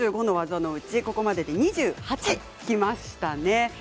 ４５の技のうち、ここまで２８きましたね。